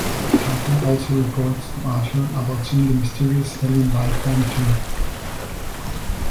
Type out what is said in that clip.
Tucker also reports to Archer about seeing a mysterious alien life form too.